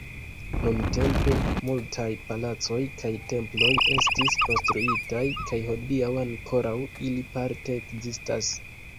Nuntempe multaj palacoj kaj temploj estis konstruitaj, kaj hodiaŭ ankoraŭ ili parte ekzistas.